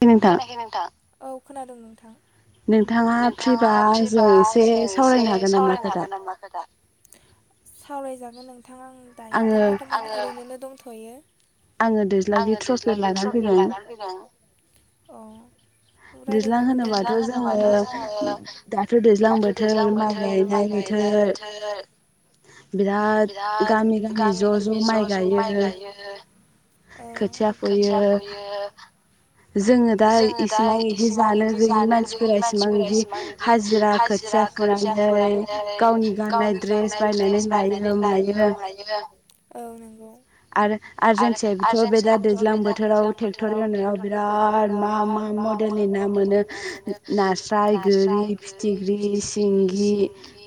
[unintelligible] औ खोनादों नोंथां नोंथाङा फ्रिबा आंजों इसे सावरायनो हागोन नामा खोथा? [inaudible] सावरायजागोन नोंथां आं दायोथ बर्थमानाव ओरैनो दं थ'यो आङो दिज्लायनि ट्रपिक लानानै फैदों। दिज्लां होनोबाथ' जोङो थ जोङो दाथ' दैज्लां बोथोर माइ गायनाय बोथोर बिराद गामि गामि ज ज माइ गायो औ खोथिया फुयो जोङो दा इसिबां इदि जानो गोयि मानसिफोरा इसेबां बिदि हाजिरा खोथिया फुनानै जायो गावनि गाननाय द्रेस बायनानै लायो मायो [unintelligible] आरो आर जोंनिथिजाय बोथ' बे दा दैज्लां बोथोराव टेक्टर बिराद मा मा मडेलनि ना मोनो नास फ्राय गोरि फिथिख्रि सिंगि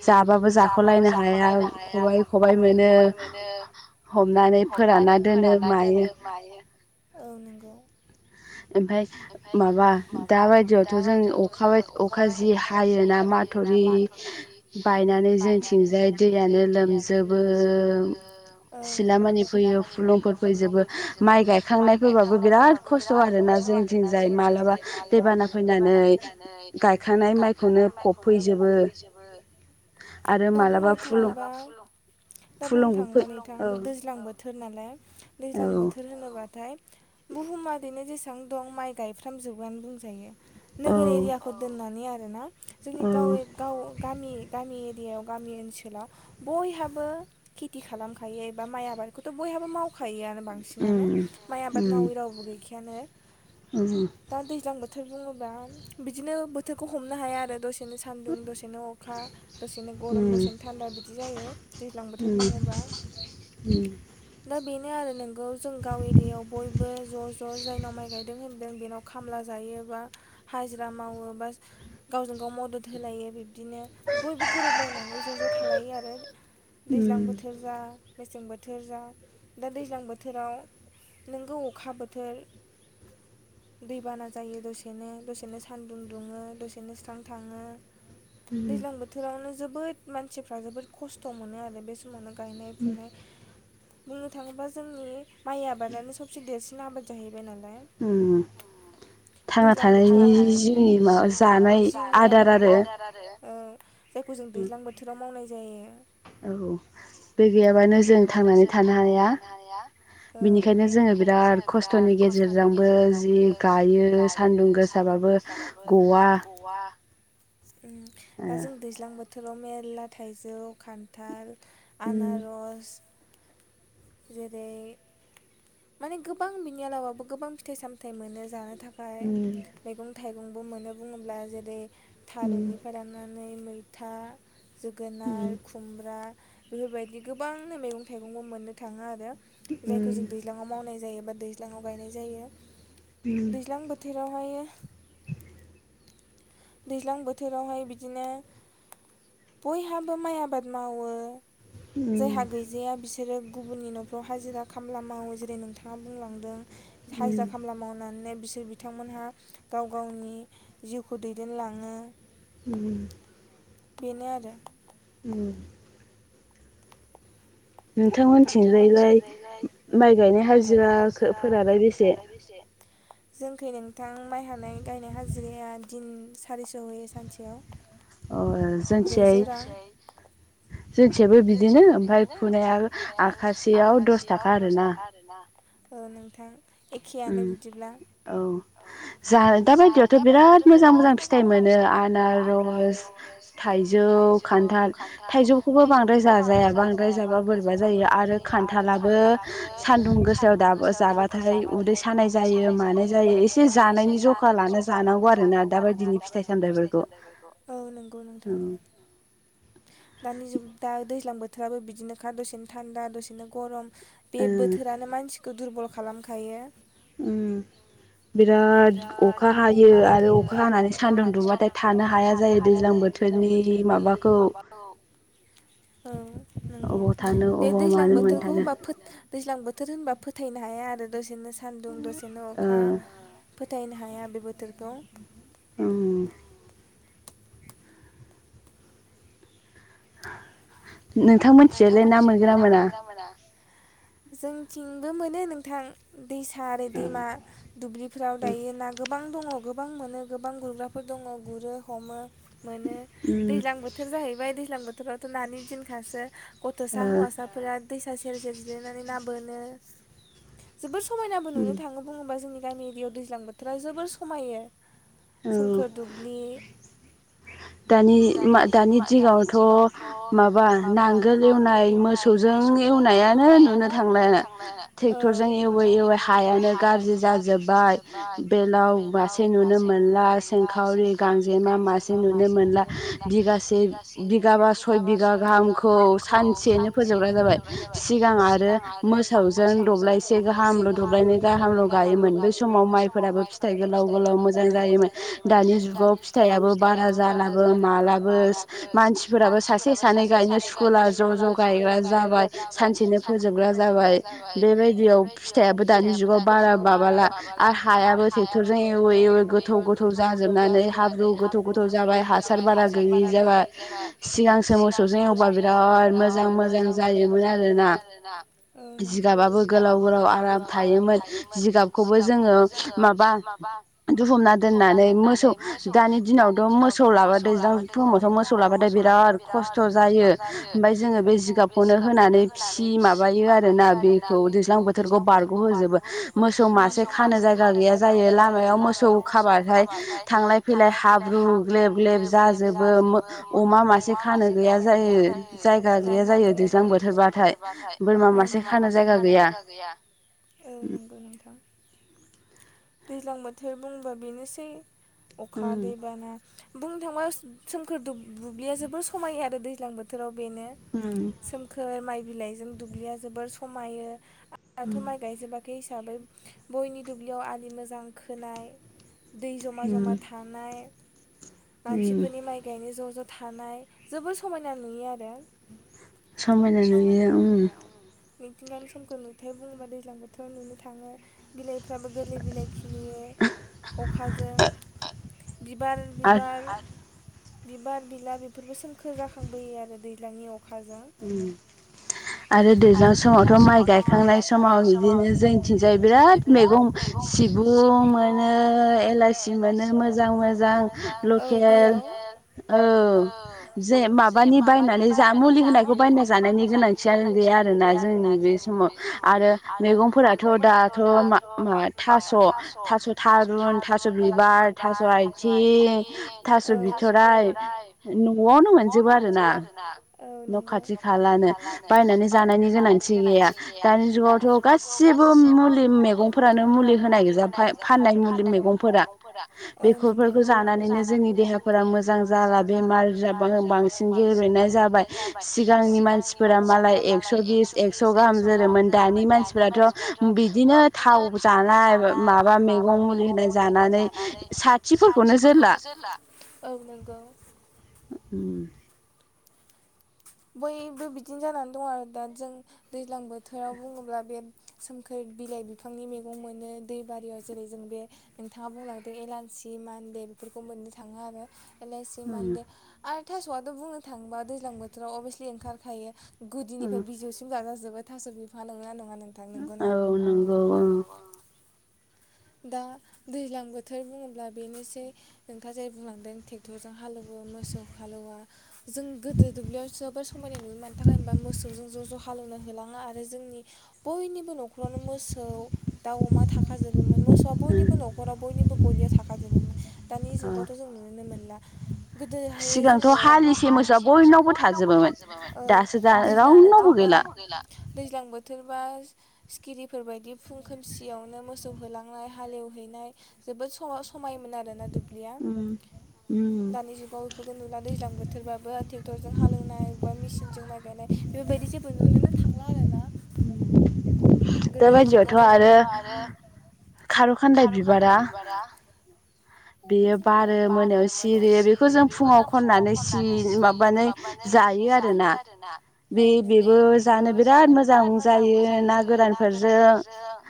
जाबाबो जाख' लायनो हाया खम खबाइ खबाइ मोनो हमनानै फोरानना दोनो मायो औ नंगौ ओमफ्राय माबा दा बायदियावथ' जों अफ अखाबो अखा जि हायोना माथ'रि बायनानै जोंथिंजाय दैया दैयानो लोमजोबो [unintelligible] सिला मानि फैयो फुलुंफोर फैजोबो गायखांनायफोरबाबो बिराद खस्थ आरोना जोंथिंजाय मालाबा दैबाना फैनानै फोनानै गायखांनाय माइखौनो फबफैजोबो दा बुंनो थाङोबा दा बुंनो थाङोबा नोंथां दैज्लां बोथोर थोर नालाय दैज्लां बोथोर होनोबाथाय बुहुमा [unintelligible] जेस सिबां दं माइ गायफ्राम जोबोद आनो बुंजायो नोगोर एरियाखौ दोननानै आरोना जोंनि गावे गाव गाव गामि गामि याव गामि ओनसोलाव बयहाबो खेति खालामखायो एबा माइ आबादखौथ बयहाबो मावखायो आरो दा बांसिनानो माइ आबाद मावौ रावबो गौखायानो दा दैज्लां बोथ बोथोर बुङोबा बिदिनो बोथोरखौ हमनो हाया आरो दसे दसेनो सान्दुं दसेनो अखा दसेनो गरम दसेनो थान्दा बिदि जायो दैज्लां बोथोर बुङोबा। [inaudible] दा बिनि नो आरो नोंगौ जों गावनि दैयाव बयबो ज' ज' जायनाव माइ गायदों होनब जों बेनाव खामला जायोबा हाजिरा मावो बा गावजों गाव मदद होलायो बेफ बिदिनो बयबो गोरोबलायनानै ज' ज' थालायो आरो दैज्लां बोथोर जा मेसें बोथोर जा दा दैज्लां बोथोराव नोंगौ अखा बोथोर दैबाना जायो दसेनो दसे दसेनो सान्दुं दुङो दसेनो स्रां थाङो दैज्लां बोथोरावनो जोबोद मानसिफ्रा जोबोद खस्थ' मोनो आरो बे समावनो गायनाय फुनाय बुंनो थाङोबा जोंनि माइ आबादानो सबसे देरसिन आबाद जाहैब बाय नालाय। उम। दैज्लां बोथ थांना थानायनि जिउनि माबा जानाय आदार आरो जायखौ जों दैज्लां बोथोराव मावनाय जायो। औ बे गैयाबानो जों थांनानै थानो हाया। बिनिखायनो जोङो बिराद खस्थ'नि गेजेरजोंबो जि गायो सान्दुं गोस सान्दुं गोसाबाबो ग'वा। उम दा जों दैज्लां बोथोराव मेलला थाइजौ, खान्थाल, आनारस जेरै माने गोबां बिनि आलावाबो गोबां फिथाइ सामथायाइ मोनो जानो थाखाय मैगं थ थाइगंबो मोनो बुङोब्ला जेरै थारुननिफ्राय लानानै मैथा जोगोनार, खुमब्रा बेबायदि गोबांनो मैगं थाइगंबो मोननो थाङो आरो उम दैजांआव मावनाय जायो बा दैज्लाङाव गायनाय जायो दैज्लां बोथोरावहायो दैज्लां बोथोरावहाय बिदिनो बयहाबो माइ आबाद मावो। जायहा गैजाया बिसोरो गुबुननि न'फ्राव हाजिरा खामला मावोज जेरै नोंथाङा बुंलांदों हाजिरा खामला मावनानै बिस बिथांमोनहा गाव गावनि जिउखौ दैदेनलाङो। उम। बेनो आरो। उम। नोंथांमोनथिंजायलाय माइ गायनाय हाजिराखोफोरालाय बेसे? जोंखै नोंथां माइ हानाय गायनाय हाजिराया दिन सारिस' होयो सानसेयाव। अ जोंथिंहाय जोंथ थिंजायबो बिदिनो ओमफाय फुनायाबो आखासेयाव दस थाखा आरोना। ओ नोंथां एखेयानो बिदिब्ला औ। जा दा बायदियावथ' बिराद मोजां मोजां फिथाइ मोनो आनारस, थाइजौ। जौ, खान्थाल, थाइजौखौब बो बांद्राय जाजाया बांद्राय जाबा बोरैबा जायो आरो खान्थालाबो सान्दुं गोसायाव दाब जाबाथाय उदै सानाय जायो मानाय जायो एसे जानायनि जखा लानो जानांगौ आरोना दााबायदिनै फिथाइ सामथाइफोर फिथाय सामथायफोरखौ औ नोंगौ नोंथां दानि जुग दा दैज्लां बोथोराबो बिदिनोखा दसेनो थान्दा दसेनो गरम बे बोथोरानो मानसिख खो दुर्बल खालामखायो। उम बिराद अखा हायो आरो अखा हानानै सान्दुं दुबाथाय थानो हाया जायो दैज्लां बोथ दैज्लां बोथोरनि माबाखौ औ नोंगौ बे दैज्लां बोथोरखौ होनबा फोथ दैज्लां बोथोर होनबा फोथायनो हाया आरो दसेनो सान्दुं दसेनो अखा फोथ थायनो हाया बे बोथोरखौ। उम। नोंथां मोनथिलाय ना मोनगोना मोना। जोंथिंबो मोनो नोंथां। दैसा आरो दैमा दुब्लिफोराव दायो ना गो गोबां दङ गोबां मोनो गोबां गुरग्राफोर दङ गुरो हमो। मोनो दैज्लां बोथोर जाहैबाय दैज्लां बोथोरावथ' नानि दिनखासो। गथ'सा हौवासाफोरा दैसा सेर सेर जिरायनानै ना बोनो जोबोद समायनाबो नुनो थाङो बुङोबा जोंनि गामि एरिआव दैज्लां बोथोरा जोबोर समायो। सोमखोर दुब्लि दानि मा दानि दिङावथ' माबा नांग गोल एवनाय मोसौजों एवनायानो नुनो थांला ट्रेक्टरजों एवै एवै। हायानो गाज्रि जाजोबबाय बेलाव मासे नुनो मोनला सेंखावरि गांजेमा मासे नुनो मोनला बिगासे बिगाबा सय बिगा गाहाम खौ सानसेनो फोजोबग्रा जाबाय सिगां आरो मोसौजों दब्लायसे गाहाम दब्लायनै गाहामल' गायोमोन बे समाव माइफोराबो फिथाइ गोलाव गोलाव मोजां जायोमोन दानि जुगाव फिथायाबो बारा जालाबो माला मानसिफोराबो सासे सानै गायनो सुखुला ज' ज' गायग्रा जाबाय सानसेनो फोजोबग्रा जाबाय बेबायदियाव फिथाइाबो दानि जुगाव बारा माबाला आरो हायाबो ट्रेक्टरजों एवै एव गोथौ गोथौ जा जोबनानै हाब्रु गोथौ गोथौ जाबाय हासार बारा गोयि जाबाय सिगां मोसौ सो मोसौजों एवबा बिराद मोजां मोजां जायोमोन आरोना बिगाबाबो गोलाव गोलाव आराम थायोमोन जिगाबखौबो जोङो माबा दुफमना दोननानै मोसौ दानि दिनाव मोसौ लाबा दैज्लां [unintelligible] मोसौ लाबाथाय बिराथ खस्थ' जायो ओमफ्राय जोङो बे जिगाबखौनो होनानै फिसि माबायो आरोना बेखौ दैज्लां बो बोथोरखौ बारग' होजोबो मोसौ मासे खानो जायगा गैया जायो लामायाव मोसौ खाबाथाय खाबाथाय थांलाय फैलाय ब्रु ग्लेब ग्लेब जाजोबो मो अमा मासे खानो गैया जायो जायगा गैया जायो दैज्लां बोथोरबाथाय बोरमा मासे खानो जायगा गैया। औ नंगौ नोंथां। दैज्लां बोथोर बुंबा बेनोसै अखा दैबाना बुंनो थाङोबा सोमखोर दुब बुब्लिया जोबोर समायो आरो दैज्लां बोथोराव बेनो सोमखोर माइ बिलाइजों दुब्लिया जोबोर समायो। दाथ' माइ गायजोबाखै हिसाबै बयनि दुब्लियाव आलि मोजां खोनाय दै जमा जमा थानाय। मानसिफोरनि माइ गायनाय ज' ज' थानाय जोबोर समायना नुयो आरो समायना नुयो उम। मिथिंगानि सोमखोर नुथाय बुङोबा दैज्लां बोथोराव नुनो थाङो बिलाइफ्राबो गोरलै बिलाइ खिलियो अखाजों बिबार बिबार बिबार बिला बेफोरबो सोम सोमखोर जाखांबोयो आरो दैज्लांनि अखाजों आरो दैज्लां समावथ' माइ गायखांनाय समाव बिदिनो जोंथिंजाय बिराद मैगं सिबुं मोनो एलाइसि मोनो मोजां मोजां लकेल औ जे माबानि बायनानै जा मुलि होनाय खौ बायना जानायनि गोनांथियानो गैया आरोना जोंनि बे समाव आरो मैगंफोराथ' दा दाथ' मा थास' थास' थारुन थास' बिबार थास' आइथिं थास' बिथराइ न न'आवनो मोनजोबो आरो ना उम न' खाथि खालानो बायनानै जानायनि गोनांथि गैया दानि जुगावथ' गासिबो गासिबो मुलि मैगंफोरानो मुलि होनाय गोजा फाय-फाननाय मुलि मैगंफोरा। औ नंगौ जानानैनो जोंनि देहाफोरा मोजां जाला बेमार जाबानो बांसिन गेबेंनाय जाबाय। सिगांनि मानसिफोरा मालाय एकस' बिस एकस' गाहाम जोरोमोन दानि मानसिफोराथ' बि बिदिनो थाव जानाय माबा मैगं मुलि होनाय जानानै साथिफोरखौनो जो फोरखौनो जोला औ नंगौ उम बयबो बिदिनो जानानै दं आरो दा जों दैज्लां बोथोराव बुङोब्ला बे सोमखोर बिलाइ -बिफांनि मैगं मोनो दैबारियाव जेरै जों बे नोंथाङा बुंलांदों एलानसि मानदे बेफोरखौ मोननो थाङो आरो एलायसि मानदे आरो थास'आथ' बुंनो थाङोबा दैज्लां बोथोराव अभियासलि ओंखारखायो गुदिनिफाय बिजौसिम जाजाजोबो थास' बिफा नंगोना नङा औ नंगौ ओ दा दैज्लां बोथोर बुङोब्ला बेनोसै नोंथां जाय बुंलांदों ट्रेक्टरजों हालेवबो मोसौ खालौवा जों गोदो दुब्लियाव जोबोर समायनाय नुयोमोन थाखाय होमबा मोस ज' ज' फालौनो होलाङा आरो जोंनि बयनिबो न'खरावनो मोसौ दाउ अमा थाखाजोब मोन मोसौआ बयनिबो नखराव बयनिबो गलियाव थाखाजोबोमोन दानि जुगावथ' जों नुनो मोनला गोदोहायो जोङो सिगांथ' हालिसे मोसौआ बयनावबो नावबो थाजोबोमोन औ [unintelligible] दासिला रावबो रावबो गैला दैज्लां बोथोर बा सिखिरिफोर बायदि फुं खोमसियावनो मोसौ होलांनाय हालेवहैनाय जोबोद सम समायोमोन आरोना दुब या दानि जुगाव इ खौ नुला दैज्लां बोथोरबाबो ट्रेक्टरजों हालौनाय अबा मेसिनजों माइ गायनाय बेबायदि जेबो नुोनो था थांला आरोना [unintelligible] गोदोनि जुगाव दाबादियावथ' आरो खार' खान्दाय बिबारा बेयो बारो मोनायाव सिरि बेखौ जों फुङाव खननानै सि माबानो जा जायो आरोना बे बेबो जानो बिराद मोजां जायो ना गोरानफोर गोरानफोरजों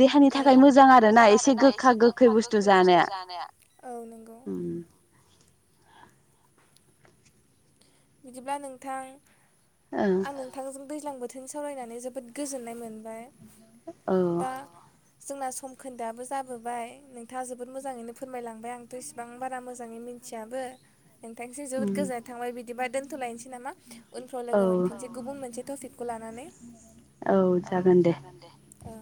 देहानि थाखाय मोजा थाखाय मोजां आरो ना एसे गोखा गोखै बुस्थु जानाया उम बिदिब्ला नोंथां आं नोंथांजों दैज्लां बोथोर सावरायनानै जोबोद गोजोननाय मोनबाय औ जोंना सम खोन्दायआो जाबोबाय नोंथाङा जोबोद मोजाङैनो फोरमायलांबाय आंथ' इसिबां बारा मोजाङै मि थियाबो नोंथांसिम जोबोद गोजोन्नाय थांबाय बिदिबा दोनथ'लायनोसै नामा उनफ्राव लोगो मोनफिनसै गुबुन मोनसे टपिकखौ लानानै नानै औ जागोन दे ओं